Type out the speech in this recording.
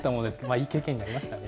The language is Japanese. いい経験になりましたね。